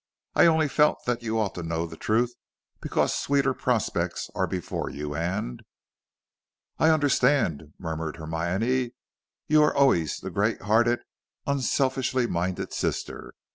I only felt that you ought to know the truth, because sweeter prospects are before you, and " "I understand," murmured Hermione, "you are always the great hearted, unselfishly minded sister.